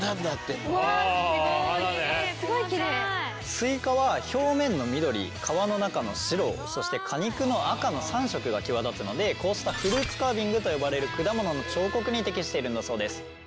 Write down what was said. スイカは表面の緑皮の中の白そして果肉の赤の３色が際立つのでこうしたフルーツカービングと呼ばれる果物の彫刻に適しているんだそうです。